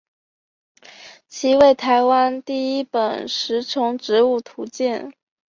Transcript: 其为台湾第一本食虫植物图鉴。